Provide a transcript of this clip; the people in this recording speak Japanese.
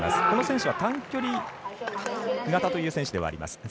この選手は短距離型という選手ではあります。